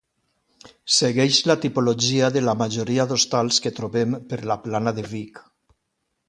Segueix la tipologia de la majoria d'hostals que trobem per la Plana de Vic.